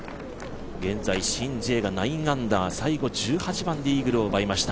現在、シン・ジエが９アンダー最後１８番でイーグルを奪いました。